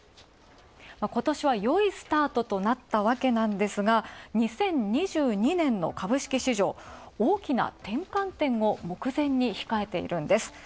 今年はよいスタートとなったわけなんですが、２０２２年の株式市場、大きな転換点を目前に控えているんです。